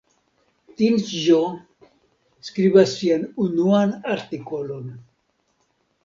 Tinĉjo skribas sian unuan artikolon.